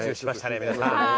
皆さん。